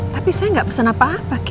tapi saya gak pesen apa apa kiki